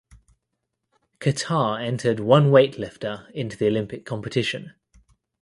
Qatar entered one weightlifter into the Olympic competition.